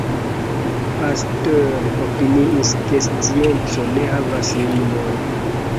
Pasteur opiniis ke scienco ne havas limojn.